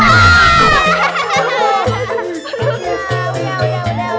nah kasih dulu